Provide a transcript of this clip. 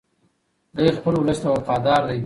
دی خپل ولس ته وفادار دی.